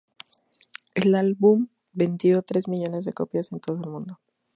El álbum vendió tres millones de copias en todo el mundo.